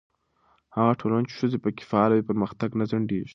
هغه ټولنه چې ښځې پکې فعاله وي، پرمختګ نه ځنډېږي.